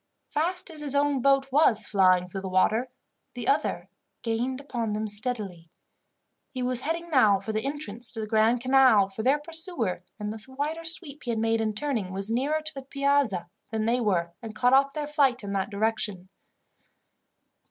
Fast as his own boat was flying through the water, the other gained upon them steadily. He was heading now for the entrance to the Grand Canal, for their pursuer, in the wider sweep he had made in turning, was nearer to the Piazza than they were, and cut off their flight in that direction.